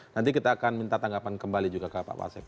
nanti kita akan minta tanggapan kembali juga ke pak wasip